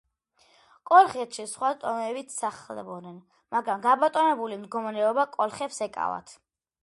კოლხეთში სხვა ტომებიც სახლობდნენ, მაგრამ გაბატონებული მდგომარეობა კოლხებს ეკავათ.